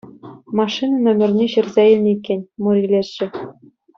Машина номерне ҫырса илнӗ иккен, мур илесшӗ.